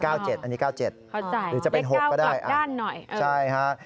๙๗อันนี้๙๗หรือจะเป็น๖ก็ได้อ๋อใช่ฮะเลข๙กลับด้านหน่อย